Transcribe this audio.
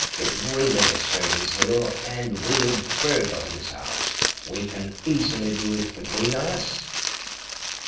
Get rid of the servants, Hill, and we'll burgle his house. We can easily do it between us.'"